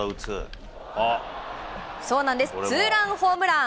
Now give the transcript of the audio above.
ツーランホームラン。